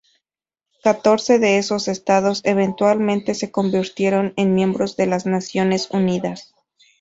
Catorce de esos estados eventualmente se convirtieron en miembros de las Naciones Unidas.